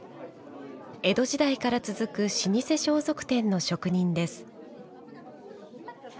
江戸時代から続く老舗装束店の職人です。